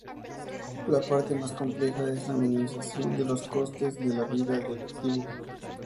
La parte más compleja es la minimización de los costes de vida del activo.